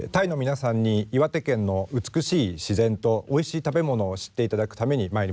ไทยน้องมีการแปลงแปลงแปลงของภาษาไทยชัดเลย